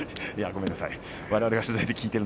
ごめんなさい。